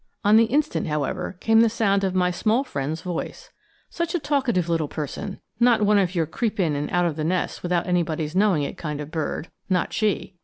On the instant, however, came the sound of my small friend's voice. Such a talkative little person! not one of your creep in and out of the nest without anybody's knowing it kind of a bird, not she!